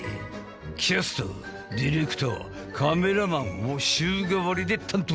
キャスターディレクターカメラマンを週替わりで担当。